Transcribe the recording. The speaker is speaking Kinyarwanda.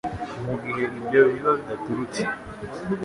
mu gihe ibyo biba bidaturutse